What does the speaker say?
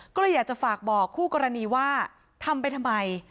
ก็เลยอยากจะฝากบอกคู่กรณีว่าทำไปทำไม